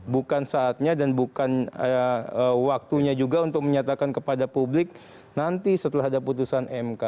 bukan saatnya dan bukan waktunya juga untuk menyatakan kepada publik nanti setelah ada putusan mk